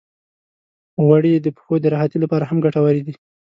غوړې د پښو د راحتۍ لپاره هم ګټورې دي.